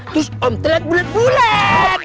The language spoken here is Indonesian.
terus om terlihat bulet bulet